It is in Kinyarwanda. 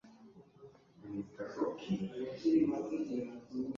bagahamya ko ari izo ntaro,